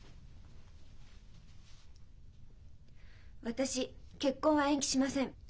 私結婚は延期しません。